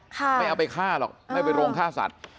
ไม่เอาไปฆ่าหรอกไม่ไปโรงฆ่าสัตว์